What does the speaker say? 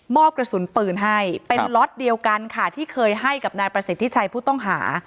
อบกระสุนปืนให้เป็นล็อตเดียวกันค่ะที่เคยให้กับนายประสิทธิชัยผู้ต้องหา